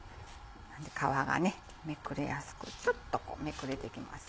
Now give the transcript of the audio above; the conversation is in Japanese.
皮がめくれやすくちょっとめくれてきますね。